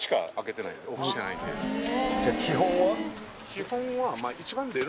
基本は。